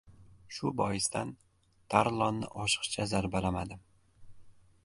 Shu boisdan Tarlonni oshiqcha zarbalamadim.